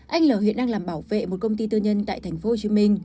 anh là huyện đang làm bảo vệ một công ty tư nhân tại tp hcm